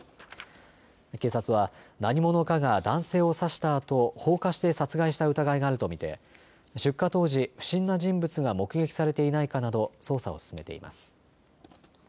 警察は何者かが男性を刺したあと放火して殺害した疑いがあると見て出火当時、不審な人物が目撃されていないかなど捜査を進めています。